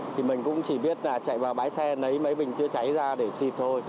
thì mình cũng chỉ biết là chạy vào bái xe lấy mấy bình trựa cháy ra để xịt thôi